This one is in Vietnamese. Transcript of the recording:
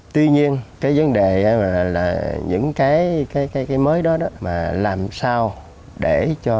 tuy nhiên cái vấn đề là những cái mới đó đó mà làm sao để cho